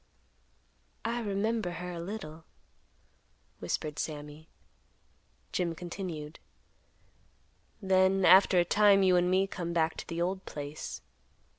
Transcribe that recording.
"I remember her a little," whispered Sammy. Jim continued; "Then after a time you and me come back to the old place.